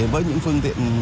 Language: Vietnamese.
với những phương tiện